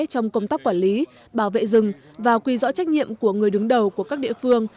trong công tác quản lý bảo vệ rừng và quy rõ trách nhiệm của người đứng đầu của các địa phương